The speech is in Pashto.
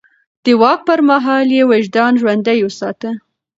د واک پر مهال يې وجدان ژوندی وساته.